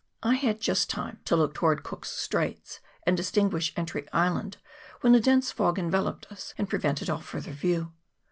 I had just time to look towards Cook's Straits and distinguish Entry Island, when a dense fog enveloped us, and prevented all further view.